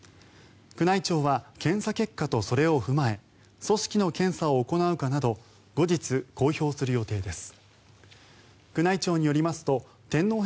宮内庁は検査結果とそれを踏まえ組織の検査を行うかなど後日公表する予定です。